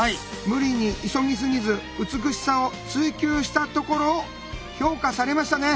無理に急ぎすぎず美しさを追求したところを評価されましたね。